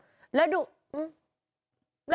มันทำสายขนาดไหนครับช่วยติดตามหน่อยครับ